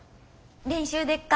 練習でっか？